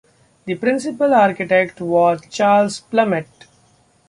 The principal architect was Charles Plumet.